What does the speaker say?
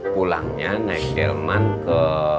pulangnya naik delman ke